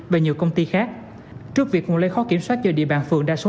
và nhiều công ty khác trước việc nguồn lây khó kiểm soát cho địa bàn phường đa số